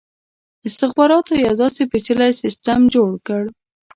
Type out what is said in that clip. استخباراتو یو داسي پېچلی سسټم جوړ کړ.